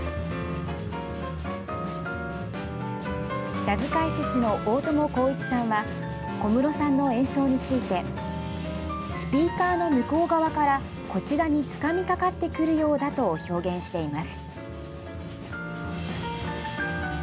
ジャズ解説の大伴公一さんは小室さんの演奏についてスピーカーの向こう側からこちらにつかみかかってくるようだと表現しています。